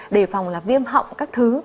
để phòng là viêm họng các thứ